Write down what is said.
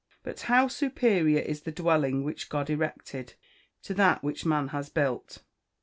But how superior is the dwelling which God erected, to that which man has built.